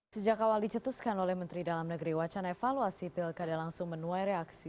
sejak awal dicetuskan oleh menteri dalam negeri wacana evaluasi pilkada langsung menuai reaksi